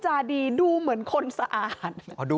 เจ้าของห้องเช่าโพสต์คลิปนี้